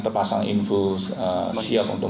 terpasang info siap untuk